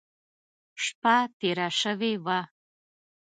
شپه تېره شوې وه.